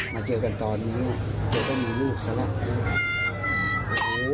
มาเจอกันตอนนี้เธอก็มีลูกสักแล้ว